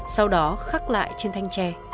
sau đó khắc lại trên thanh tre